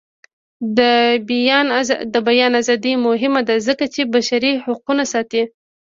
د بیان ازادي مهمه ده ځکه چې بشري حقونه ساتي.